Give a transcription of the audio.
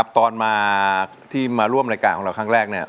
ตอนมาที่มาร่วมรายการของเราครั้งแรก